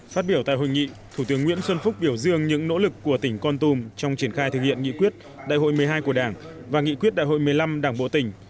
phát biểu tại hội nghị thủ tướng nguyễn xuân phúc biểu dương những nỗ lực của tỉnh con tum trong triển khai thực hiện nghị quyết đại hội một mươi hai của đảng và nghị quyết đại hội một mươi năm đảng bộ tỉnh